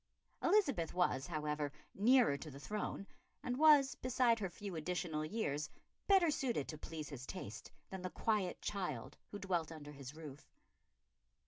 Elizabeth was, however, nearer to the throne, and was, beside her few additional years, better suited to please his taste than the quiet child who dwelt under his roof.